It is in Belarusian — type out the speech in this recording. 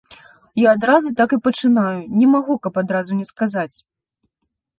Я адразу так і пачынаю, не магу, каб адразу не сказаць.